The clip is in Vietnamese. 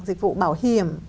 dịch vụ bảo hiểm